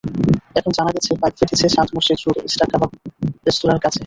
এখন জানা গেছে, পাইপ ফেটেছে সাতমসজিদ রোডে স্টার কাবাব রেস্তোরাঁর কাছে।